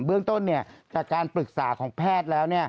เบื้องต้นจากการปรึกษาของแพทย์แล้ว